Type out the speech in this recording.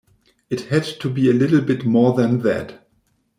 It had to be a little bit more than that.